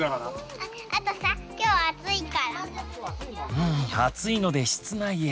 うん暑いので室内へ。